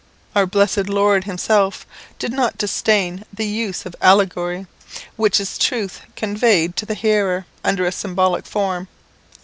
Our blessed Lord himself did not disdain the usc of allegory, which is truth conveyed to the hearer under a symbolical form.